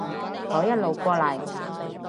我一路過嚟